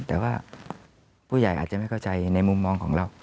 แต่ว่าผู้ใหญ่อาจจะไม่เข้าใจในมุมมองของเรา